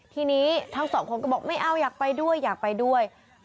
ทีนี้ทั้งสองคนก็บอกไม่เอาอยากไปด้วยอยากไปด้วย